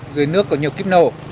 dưới nước có nhiều kiếp nổ